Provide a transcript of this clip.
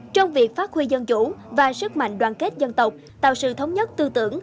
trong việc phát huy dân chủ và sức mạnh đoàn kết dân tộc tạo sự thống nhất tư tưởng